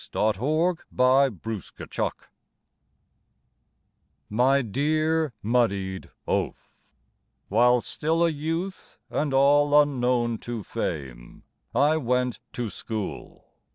TO THE "MUDDIED OAF" My dear Muddied Oaf, While still a youth and all unknown to fame, I went to school.